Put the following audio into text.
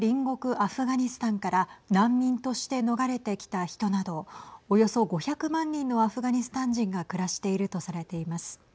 アフガニスタンから難民として逃れてきた人などおよそ５００万人のアフガニスタン人が暮らしているとされています。